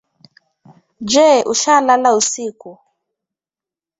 Je ushalala usiku?